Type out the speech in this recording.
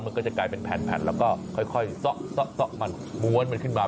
มันก็จะกลายเป็นแล้วค่อยมันขึ้นมา